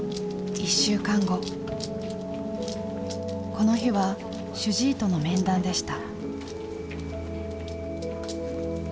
この日は主治医との面談でした。